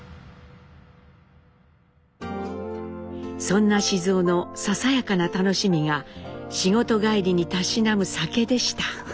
そんな雄のささやかな楽しみが仕事帰りにたしなむ酒でした。